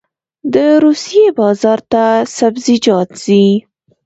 د روسیې بازار ته سبزیجات ځي